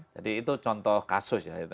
jadi itu contoh kasus ya